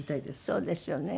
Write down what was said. そうですよね。